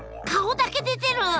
顔だけ出てる！